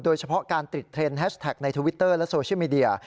โดยเฉพาะการติดเทรนด์แฮชแท็กในทวิตเตอร์และโซเชียลมีเดีย